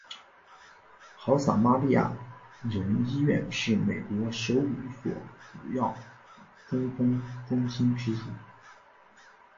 好撒玛利亚人医院是美国首五所主要中风中心之一。